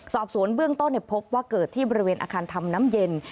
สอบสวนเบื้องต้นพบว่าเกิดที่บริเวณอาคารทำน้ำเย็น